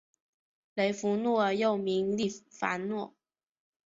雷佛奴尔又名利凡诺。